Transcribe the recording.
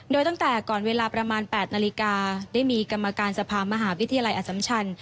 โดยตั้งแต่ก่อนเวลาประมาณ๘นาฬิกาได้มีกรรมการสภามหาวิทยาลัยอสัมชัน